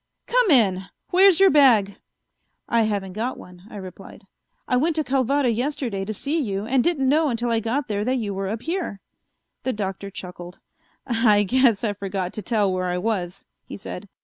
Come in. Where's your bag?" "I haven't one," I replied. "I went to Calvada yesterday to see you, and didn't know until I got there that you were up here." The Doctor chuckled. "I guess I forgot to tell where I was," he said.